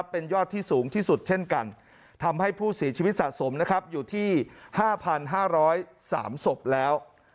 เป็นยอดที่สูงที่สุดเช่นกันทำให้ผู้เสียชีวิตสะสมนะครับอยู่ที่๕๕๐๓ศพแล้ว